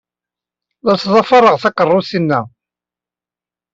La ttḍafareɣ takeṛṛust-inna.